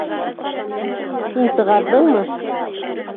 Һин сығарҙыңмы?